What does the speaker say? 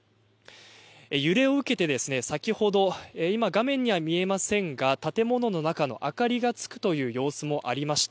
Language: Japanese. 揺れを受けてですね、先ほど今画面には見えませんが建物の中の明かりがつくという様子もありました。